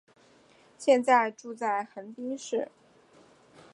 现在住在横滨市。